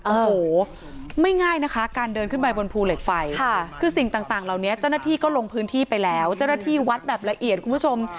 โอ้โหไม่ง่ายนะคะการเดินขึ้นไปบนภูเหล็กไฟคือสิ่งต่างเหล่านี้เจ้าหน้าที่ก็ลงพื้นที่ไปแล้วเจ้าหน้าที่วัดแบบละเอียดคุณผู้ชม